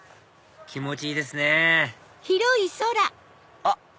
気持ちいいですねあっ！